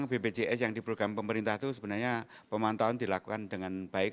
bpjs yang di program pemerintah itu sebenarnya pemantauan dilakukan dengan baik